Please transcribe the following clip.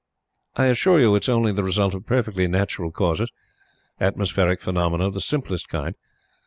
I assure you it's only the result of perfectly natural causes atmospheric phenomena of the simplest kind.